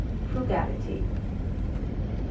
Frugality. i.